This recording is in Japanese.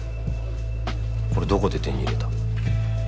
これどこで手に入れた？